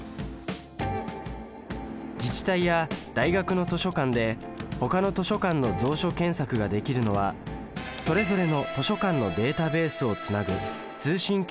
自治体や大学の図書館でほかの図書館の蔵書検索ができるのはそれぞれの図書館のデータベースをつなぐ通信機能の働きです。